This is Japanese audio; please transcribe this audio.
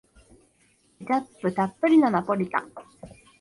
ケチャップたっぷりのナポリタン